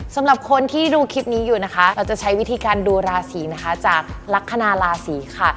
สำหรับคนที่ดูคลิปนี้อยู่นะคะเราจะใช้วิธีการดูราศีนะคะจากลักษณะราศีค่ะ